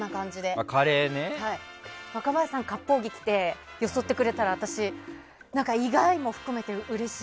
若林さんがかっぽう着着てよそってくれたら私、意外！も含めてうれしい。